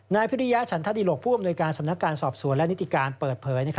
พิริยะฉันทดิหลกผู้อำนวยการสำนักการสอบสวนและนิติการเปิดเผย